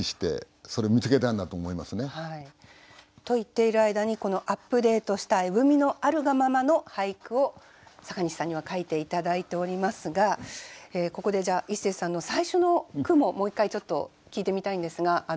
と言っている間にこのアップデートした「絵踏」の「あるがまま」の俳句を阪西さんには書いて頂いておりますがここでじゃあイッセーさんの最初の句ももう一回ちょっと聞いてみたいんですが。